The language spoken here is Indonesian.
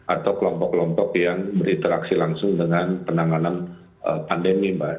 atau kelompok kelompok yang berinteraksi langsung dengan penanganan pandemi mbak